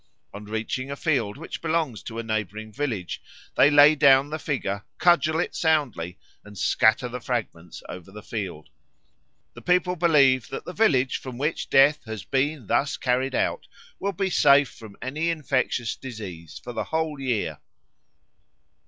On reaching a field which belongs to a neighbouring village they lay down the figure, cudgel it soundly, and scatter the fragments over the field. The people believe that the village from which Death has been thus carried out will be safe from any infectious disease for the whole year.